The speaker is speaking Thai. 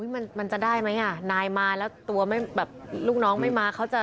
มันมันจะได้ไหมอ่ะนายมาแล้วตัวไม่แบบลูกน้องไม่มาเขาจะ